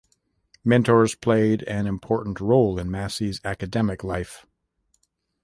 Mentors played an important role in Massey's academic life.